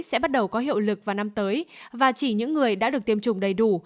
sẽ bắt đầu có hiệu lực vào năm tới và chỉ những người đã được tiêm chủng đầy đủ